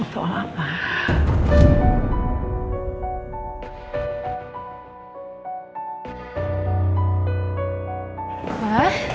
tau lah apa